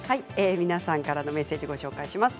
皆さんからのメッセージです。